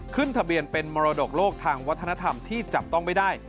ขึ้นทะเบียนเป็นมรดกโลกทางวัฒนธรรมที่จับต้องไม่ได้